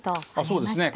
そうですね。